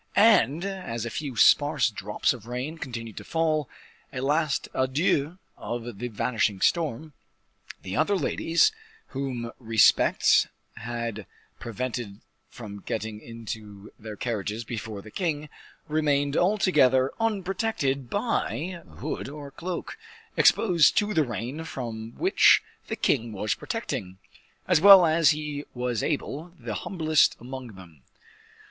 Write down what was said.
And, as a few sparse drops of rain continued to fall a last adieu of the vanishing storm the other ladies, whom respect had prevented from getting into their carriages before the king, remained altogether unprotected by hood or cloak, exposed to the rain from which the king was protecting, as well as he was able, the humblest among them.